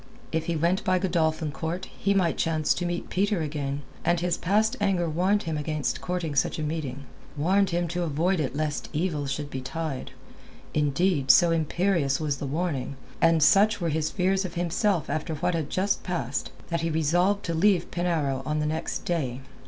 If he went by Godolphin Court he might chance to meet Peter again, and his past anger warned him against courting such a meeting, warned him to avoid it lest evil should betide. Indeed, so imperious was the warning, and such were his fears of himself after what had just passed, that he resolved to leave Penarrow on the next day.